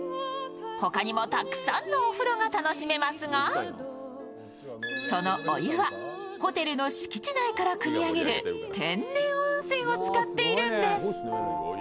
他にもたくさんのお風呂が楽しめますがそのお湯はホテルの敷地内からくみ上げる天然温泉を使っているんです。